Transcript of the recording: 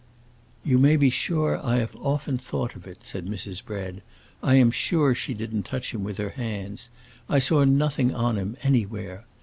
"You may be sure I have often thought of it," said Mrs. Bread. "I am sure she didn't touch him with her hands. I saw nothing on him, anywhere.